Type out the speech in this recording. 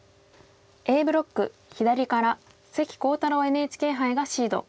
Ａブロック左から関航太郎ＮＨＫ杯がシード。